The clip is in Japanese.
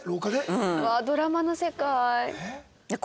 うわあドラマの世界。